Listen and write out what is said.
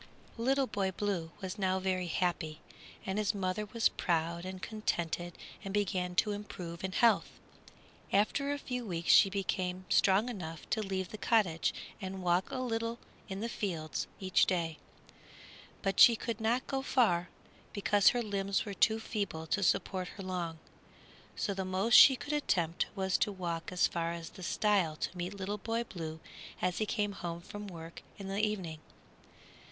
Little Boy Blue was now very happy, and his mother was proud and contented and began to improve in health. After a few weeks she became strong enough to leave the cottage and walk a little in the fields each day; but she could not go far, because her limbs were too feeble to support her long, so the most she could attempt was to walk as far as the stile to meet Little Boy Blue as he came home from work in the evening.